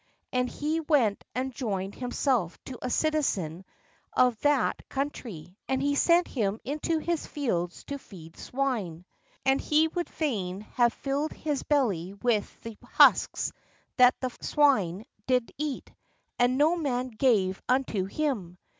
And he went and joined himself to a citizen of that country; and he sent him into his fields to feed swine. And he would fain have filled his belly with the husks that the swine did 77 m I m eat : and no man gave unto him.